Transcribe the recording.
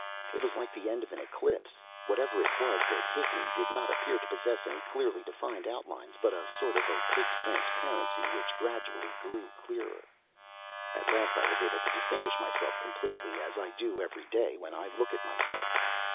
It was like the end of an eclipse. Whatever it was that hid me, did not appear to possess any clearly defined outlines, but a sort of opaque transparency, which gradually grew clearer. At last I was able to distinguish myself completely, as I do every day when I look at myself.